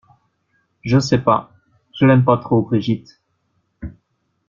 Je sais pas, je l'aime pas trop Brigitte.